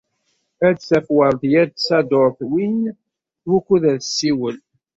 Ad d-taf Weṛdiya n Tsaḍurt win wukud ad tessiwel.